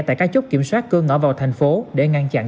tại các chốt kiểm soát cương ngõ vào thành phố để ngăn chặn dịch bệnh